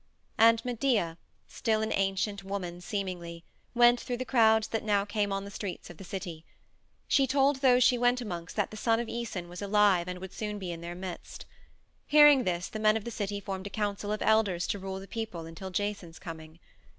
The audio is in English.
And Medea, still an ancient woman seemingly, went through the crowds that now came on the streets of the city. She told those she went amongst that the son of Æson was alive and would soon be in their midst. Hearing this the men of the city formed a council of elders to rule the people until Jason's coming.